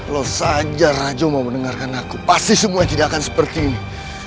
loh saja rajo mau mendengarkan aku pasti semua tidak akan seperti ini